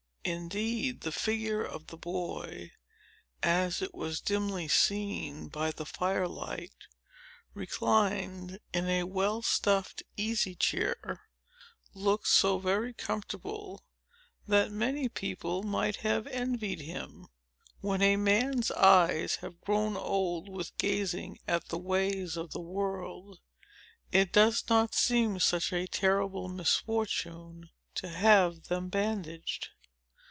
Indeed, the figure of the boy, as it was dimly seen by the fire light, reclining in a well stuffed easy chair, looked so very comfortable that many people might have envied him. When a man's eyes have grown old with gazing at the ways of the world, it does not seem such a terrible misfortune to have them bandaged.